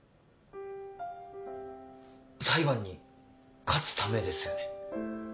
裁判に勝つためですよね。